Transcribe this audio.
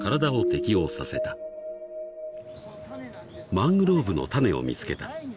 ［マングローブの種を見つけた］